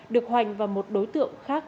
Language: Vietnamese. được hoành vào một đối tượng khác